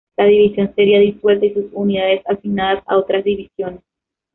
La división sería disuelta, y sus unidades asignadas a otras divisiones.